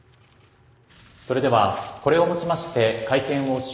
それではこれをもちまして会見を終了とさせて。